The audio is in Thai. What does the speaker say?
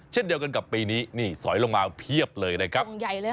เช่นเดียวกันกับปีนี้นี่สอยลงมาเพียบเลยนะครับ